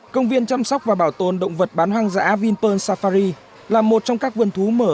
công viên chăm sóc và bảo tồn động vật bán hoang dã vinpearl safari là một trong các vườn thú mở